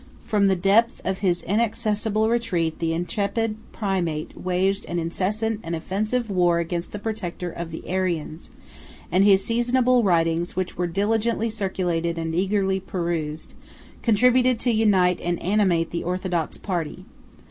From the depth of his inaccessible retreat the intrepid primate waged an incessant and offensive war against the protector of the Arians; and his seasonable writings, which were diligently circulated and eagerly perused, contributed to unite and animate the orthodox party.